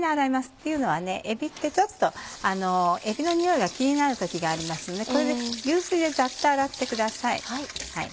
というのはえびってちょっとえびの臭いが気になる時がありますので流水でざっと洗ってください。